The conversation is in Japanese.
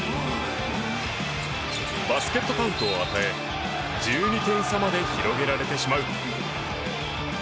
バスケットカウントを与え１２点差まで広げられてしまう。